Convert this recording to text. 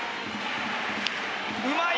うまい！